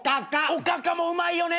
おかかもうまいよね！